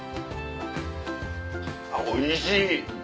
あっおいしい。